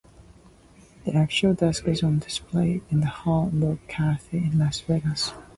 The actual desk is on display in the Hard Rock Cafe in Las Vegas.